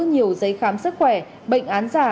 nhiều giấy khám sức khỏe bệnh án giả